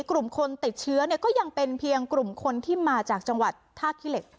กลุ่มคนติดเชื้อเนี่ยก็ยังเป็นเพียงกลุ่มคนที่มาจากจังหวัดท่าขี้เหล็ก